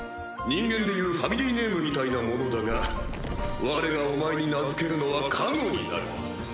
人間でいうファミリーネームみたいなものだがわれがお前に名付けるのは加護になる。